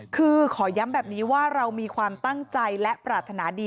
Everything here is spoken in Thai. คือขอย้ำแบบนี้ว่าเรามีความตั้งใจและปรารถนาดี